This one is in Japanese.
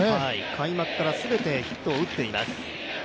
開幕から全てヒットを打っています。